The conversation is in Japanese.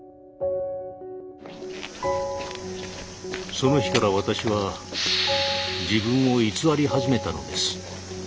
その日から私は自分を偽り始めたのです。